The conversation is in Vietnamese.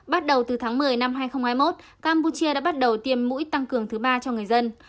bắt đầu từ tháng một mươi năm hai nghìn hai mươi một campuchia đã bắt đầu tiêm mũi tăng cường thứ ba cho người dân